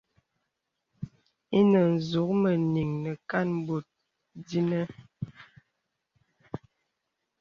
Inə nzūk mə nīŋ nə kān bòt dīnə.